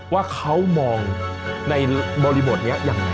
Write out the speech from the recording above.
ว่าเขามองในบริบทนี้อย่างไร